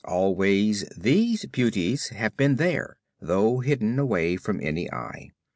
Always these beauties have been there though hidden away from any eye.